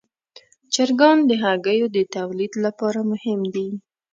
چرګان د هګیو د تولید لپاره مهم دي.